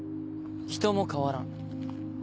人も変わらん。